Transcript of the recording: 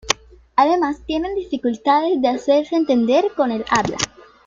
Además, tienen dificultades de hacerse entender con el habla.